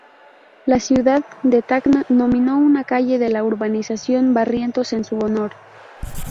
La ciudad de Tacna nominó una calle de la urbanización Barrientos en su honor.